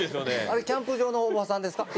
あれキャンプ場のおばさんですか？